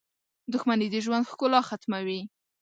• دښمني د ژوند ښکلا ختموي.